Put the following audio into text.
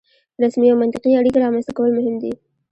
رسمي او منطقي اړیکې رامنځته کول مهم دي.